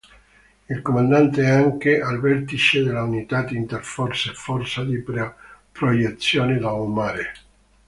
Il comandante è anche al vertice dell'unità interforze Forza di proiezione dal mare.